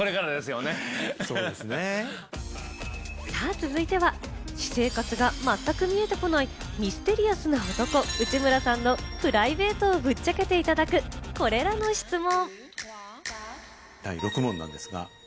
続いては、私生活がまったく見えてこないミステリアスな男、内村さんのプライベートをぶっちゃけていただく、これらの質問。